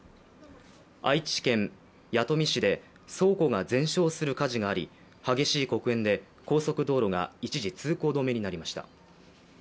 愛知県弥富市で倉庫が全焼する火事があり激しい黒煙で高速道路が一時通行止めになりました。